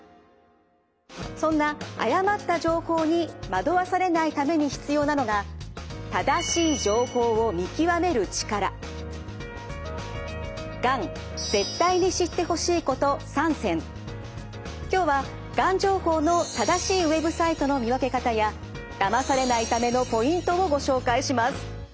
そんな誤った情報に惑わされないために必要なのが今日はがん情報の正しいＷＥＢサイトの見分け方やだまされないためのポイントをご紹介します。